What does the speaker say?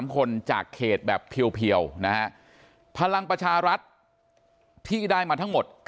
๓คนจากเขตแบบเพียวนะฮะพลังประชารัฐที่ได้มาทั้งหมด